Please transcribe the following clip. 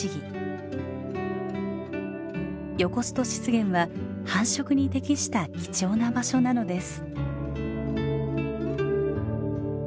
ヨコスト湿原は繁殖に適した貴重な場所なのです。